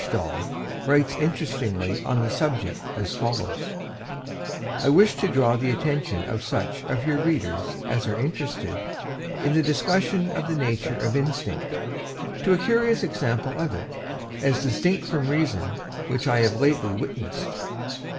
Dall writes interestingly on this subject as follows: "I wish to draw the attention of such of your readers as are interested in the discussion of the nature of instinct, to a curious example of it, as distinct from reason, which I have lately witnessed.